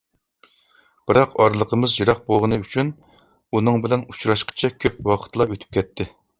بىراق ئارىلىقىمىز يىراق بوغىنى ئۈچۈن ئۇنىڭ بىلەن ئۇچراشقىچە كۆپ ۋاقىتلا ئۆتۈپ كەتتى.